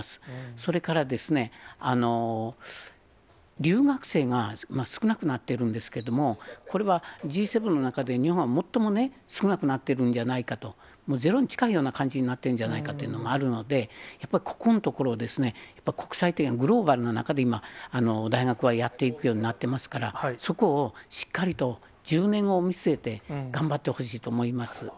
それから、留学生が少なくなってるんですけども、これはＧ７の中で日本は最も少なくなってるんじゃないかと、ゼロに近いような感じになってるんじゃないかっていうのもあるので、やっぱりここのところをですね、やっぱ国際的な、グローバルな中で今、大学はやっていくようになっていますから、そこをしっかりと１０年後を見据えて頑張ってほしいと思います。